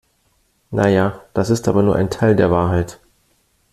Na ja, das ist aber nur ein Teil der Wahrheit.